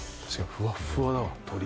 ふわっふわだわ鶏。